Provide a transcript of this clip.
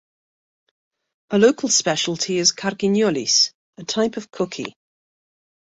A local specialty is "carquinyolis", a type of cookie.